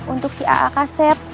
untuk si aak sep